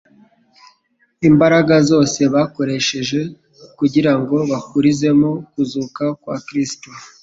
Imbaraga zose bakoresheje kugirango baburizemo kuzuka kwa Kristo